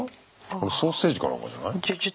これソーセージかなんかじゃない？